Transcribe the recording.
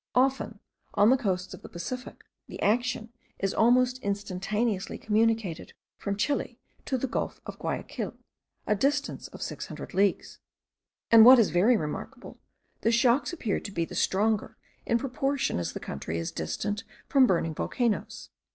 Often, on the coasts of the Pacific, the action is almost instantaneously communicated from Chile to the gulf of Guayaquil, a distance of six hundred leagues; and, what is very remarkable, the shocks appear to be the stronger in proportion as the country is distant from burning volcanoes.